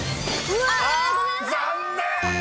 ［残念！］